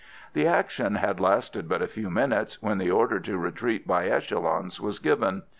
The action had lasted but a few minutes when the order to retreat by echelons was given.